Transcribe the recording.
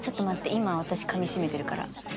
今私かみ締めてるから。